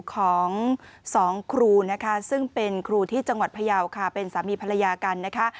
ของสองครูนะคะซึ่งเป็นครูที่จังหวัดพยาวค่ะเป็นสามีภรรยากันนะคะ